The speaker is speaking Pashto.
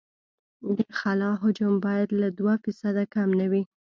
د خلا حجم باید له دوه فیصده کم نه وي